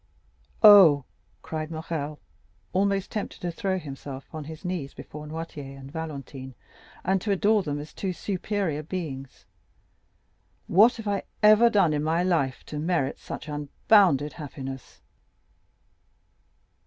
"Oh," cried Morrel, almost tempted to throw himself on his knees before Noirtier and Valentine, and to adore them as two superior beings, "what have I ever done in my life to merit such unbounded happiness?"